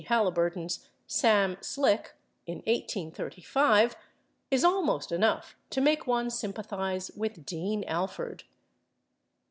Haliburton's "Sam Slick" in 1835, is almost enough to make one sympathize with Dean Alford.